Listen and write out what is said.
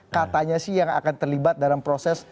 katanya sih yang akan terlibat dalam proses